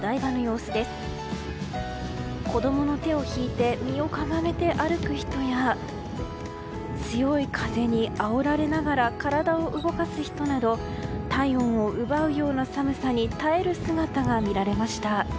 子供の手を引いて身をかがめて歩く人や強い風にあおられながら体を動かす人など体温を奪うような寒さに耐える姿が見られました。